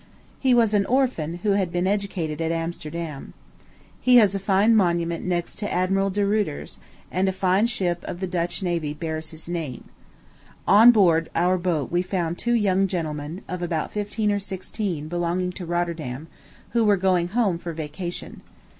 He was an orphan, who had been educated at Amsterdam. He has a fine monument next to Admiral De Ruyter's, and a fine ship of the Dutch navy bears his name. On board our boat we found two young gentlemen, of about fifteen or sixteen, belonging to Rotterdam, who were going home for vacation..